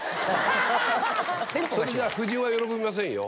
それじゃ夫人は喜びませんよ。